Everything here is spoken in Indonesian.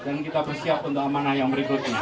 dan kita bersiap untuk amanah yang berikutnya